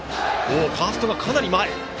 ファーストかなり前。